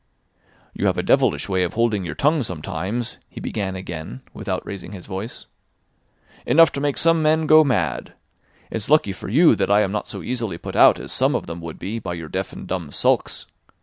"You have a devilish way of holding your tongue sometimes," he began again, without raising his voice. "Enough to make some men go mad. It's lucky for you that I am not so easily put out as some of them would be by your deaf and dumb sulks.